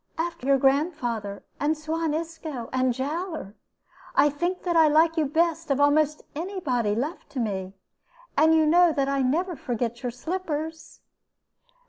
"After your grandfather, and Suan Isco, and Jowler, I think that I like you best of almost any body left to me. And you know that I never forget your slippers."